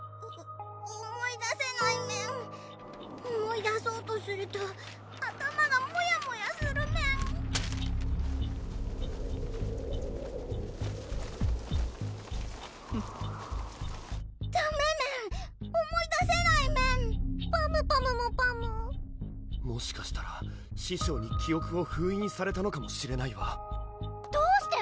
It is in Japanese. お思い出せないメン思い出そうとすると頭がもやもやするメンダメメン思い出せないメンパムパムもパムもしかしたら師匠に記憶を封印されたのかもしれないわどうして？